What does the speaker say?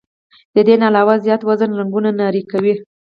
د دې نه علاوه زيات وزن رګونه نري کوي